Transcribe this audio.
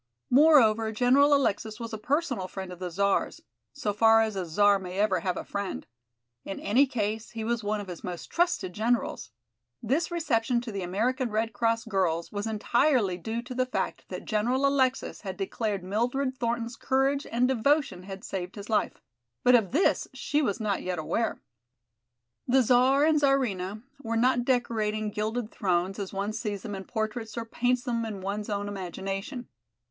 Moreover, General Alexis was a personal friend of the Czar's, so far as a Czar may ever have a friend. In any case, he was one of his most trusted generals. This reception to the American Red Cross girls was entirely due to the fact that General Alexis had declared Mildred Thornton's courage and devotion had saved his life. But of this she was not yet aware. The Czar and Czarina were not decorating gilded thrones as one sees them in portraits or paints them in one's own imagination.